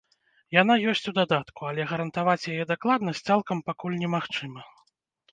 Яна ёсць у дадатку, але гарантаваць яе дакладнасць цалкам пакуль не магчыма.